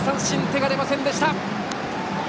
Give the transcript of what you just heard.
手が出ませんでした！